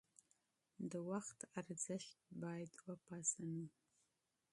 د وخت ارزښت باید وپیژنو.